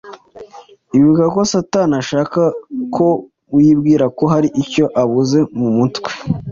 Ibuka ko Satani ashaka ko wibwira ko hari icyo ubuze mu mutwe –